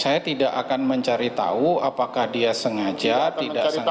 saya tidak akan mencari tahu apakah dia sengaja tidak sengaja